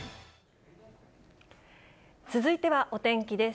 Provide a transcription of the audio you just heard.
続いてはお天気です。